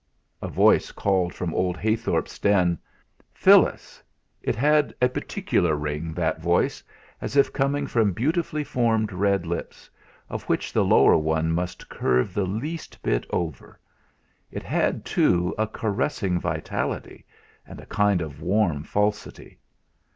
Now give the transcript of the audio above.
A voice called from old Heythorp's den: "Phyllis!" It had a particular ring, that voice, as if coming from beautifully formed red lips, of which the lower one must curve the least bit over; it had, too, a caressing vitality, and a kind of warm falsity.